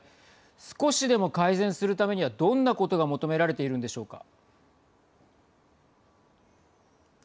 少しでも改善するためにはどんなことが求められているんでしょうか。